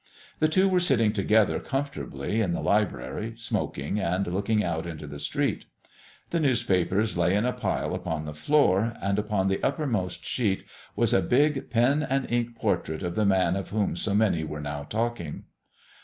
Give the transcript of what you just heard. The two were sitting together comfortably in the library smoking and looking out into the street. The newspapers lay in a pile upon the floor, and upon the uppermost sheet was a big pen and ink portrait of the Man of whom so many were now talking.